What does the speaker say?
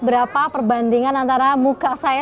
berapa perbandingan antara muka saya